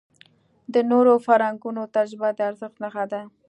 د نورو فرهنګونو تجربه د ارزښت نښه ده.